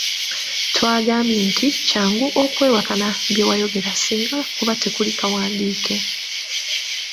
Twagambye nti kyangu okwewakana bye wayogera singa kuba tekuli kawandiike.